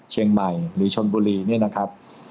เชียงใหม่หรือชนบุรีเนี่ยนะครับ